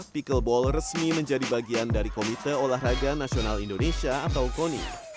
pickleball resmi menjadi bagian dari komite olahraga nasional indonesia atau koni